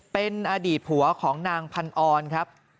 เป็นอดีตผัวของนางพันออนครับ